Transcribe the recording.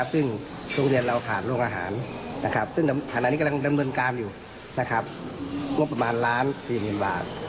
ซึ่งโรงเรียนเราขาดโรงอาหารขณะนี้กำลังกำเลินการ